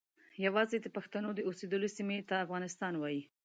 یوازې د پښتنو د اوسیدلو سیمې ته افغانستان وایي.